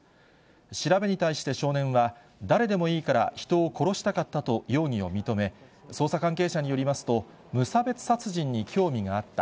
調べに対して少年は、誰でもいいから人を殺したかったと容疑を認め、捜査関係者によりますと、無差別殺人に興味があった。